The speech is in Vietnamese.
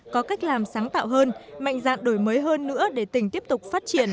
có cách làm sáng tạo hơn mạnh dạng đổi mới hơn nữa